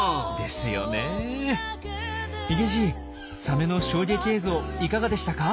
ヒゲじいサメの衝撃映像いかがでしたか？